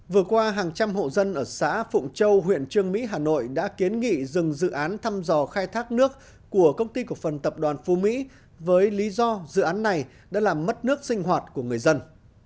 vừa qua hàng trăm hộ dân ở xã phụng châu huyện trương mỹ hà nội đã kiến nghị dừng dự án thăm dò khai thác nước của công ty của phần tập đoàn phú mỹ với lý do dự án này đã làm mất nước sinh hoạt của người dân